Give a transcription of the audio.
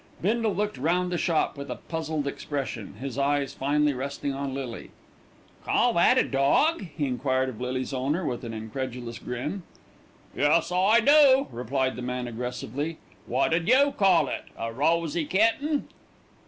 Bindle looked round the shop with a puzzled expression, his eyes finally resting on Lily. "Call that a dawg?" he enquired of Lily's owner with an incredulous grin. "Yus, I do," replied the man aggressively. "What 'ud you call it? A rosy kitten?"